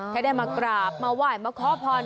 แค่ได้มากราบมาไหว้มาขอพร